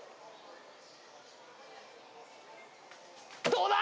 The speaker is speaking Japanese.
どうだ！？